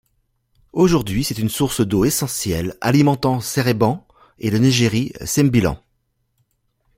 Aujourd’hui, c’est une source d’eau essentielle alimentant Seremban et le Negeri Sembilan.